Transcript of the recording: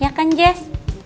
iya kan jess